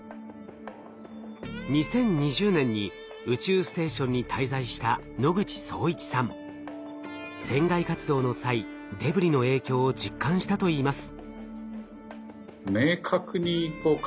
２０２０年に宇宙ステーションに滞在した船外活動の際デブリの影響を実感したといいます。